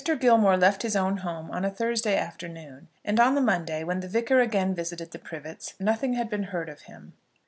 Gilmore left his own home on a Thursday afternoon, and on the Monday when the Vicar again visited the Privets nothing had been heard of him.